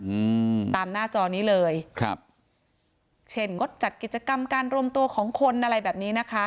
อืมตามหน้าจอนี้เลยครับเช่นงดจัดกิจกรรมการรวมตัวของคนอะไรแบบนี้นะคะ